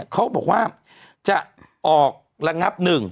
เขาบอกว่าจะออกรังับหนึ่ง